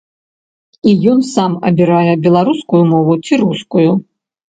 І ён сам абірае беларускую мову ці рускую.